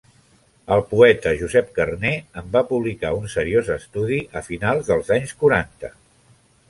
El poeta Josep Carner en va publicar un seriós estudi a finals dels anys quaranta.